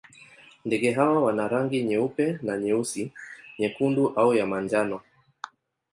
Ndege hawa wana rangi nyeupe na nyeusi, nyekundu au ya manjano.